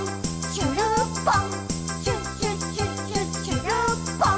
しゅるっぽん！」